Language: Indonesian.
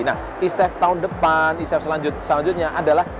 nah isef tahun depan isef selanjutnya adalah